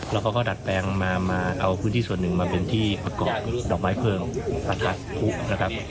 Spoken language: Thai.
เราก็ก็ดัดแปลงมามาเอาพื้นที่ส่วนหนึ่งมาเป็นที่ประกอบดอกไม้เพลิงอากาศภูมินะครับ